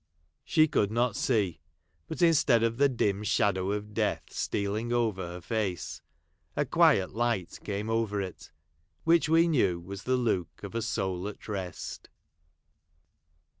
She could not see ; but instead of the dim shadow of death stealing over her face, a quiet light came over it, which we knew was the look of a soul at rest.